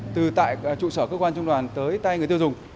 từ tại trụ sở cơ quan trung đoàn tới tay người tiêu dùng